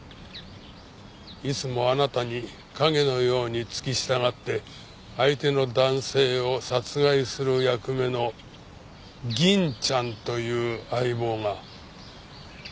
いつもあなたに影のように付き従って相手の男性を殺害する役目の「銀ちゃん」という相棒が。